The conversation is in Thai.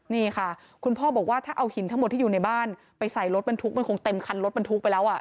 นี่ค่ะคุณพ่อบอกว่าถ้าเอาหินทั้งหมดที่อยู่ในบ้านไปใส่รถบรรทุกมันคงเต็มคันรถบรรทุกไปแล้วอ่ะ